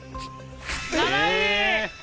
７位！